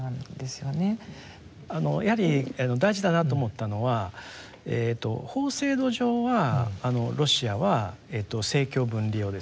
やはり大事だなと思ったのは法制度上はロシアは政教分離をですね謳っていると。